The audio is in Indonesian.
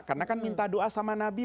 karena kan minta doa sama nabi